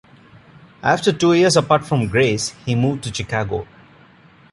After two years apart from Grace, he moved to Chicago.